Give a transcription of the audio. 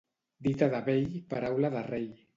Dita de vell, paraula de rei.